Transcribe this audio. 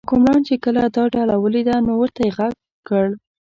حکمران چې کله دا ډله ولیده نو ورته یې غږ وکړ.